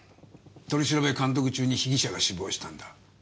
取り調べ監督中に被疑者が死亡したんだ。